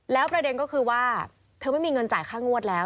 แล้วประเด็นก็คือว่าเธอไม่มีเงินจ่ายค่างวดแล้ว